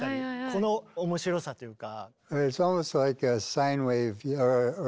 この面白さというか。